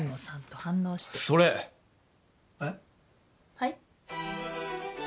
はい？